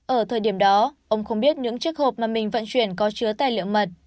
ở thời điểm đó ông không biết những chiếc hộp mà mình vận chuyển có chứa tài liệu mật